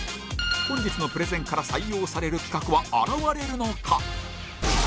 本日のプレゼンから採用される企画は現れるのか？